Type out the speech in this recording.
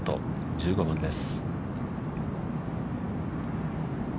１５番です。